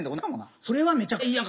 それはめちゃくちゃいいやんか